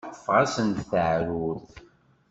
Teffeɣ-asent-d teεrurt.